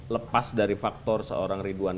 lepas dari faktor seorang ridwan